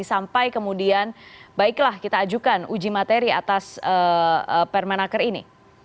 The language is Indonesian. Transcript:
sampai kemudian baiklah kita ajukan uji materi atas permenaker ini